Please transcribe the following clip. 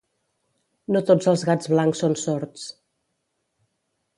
No tots els gats blancs són sords.